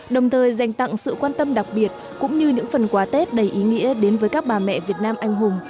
đồng thời dành tặng sự quan tâm đặc biệt cũng như những phần quà tết đầy ý nghĩa đến với các bà mẹ việt nam anh hùng